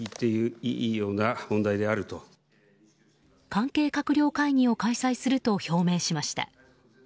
関係閣僚会議を開催すると表明しました。